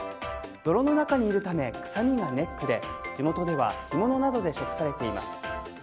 泥の中にいるため臭みがネックで地元では干物などで食されています。